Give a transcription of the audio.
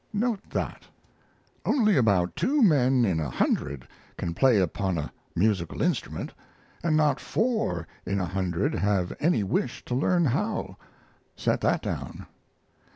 Note that. Only about two men in a hundred can play upon a musical instrument, and not four in a hundred have any wish to learn how. Set that down.